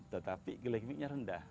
tetapi gilaikimiknya rendah